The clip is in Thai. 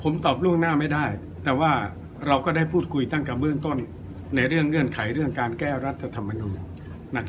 ผมตอบล่วงหน้าไม่ได้แต่ว่าเราก็ได้พูดคุยตั้งแต่เบื้องต้นในเรื่องเงื่อนไขเรื่องการแก้รัฐธรรมนูล